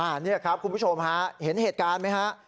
อันนี้ครับคุณผู้ชมฮะเห็นเหตุการณ์ไหมฮะ